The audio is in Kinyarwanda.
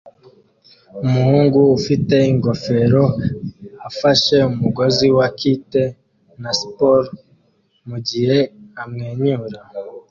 Umuhungu ufite ingofero afashe umugozi wa kite na spol mugihe amwenyura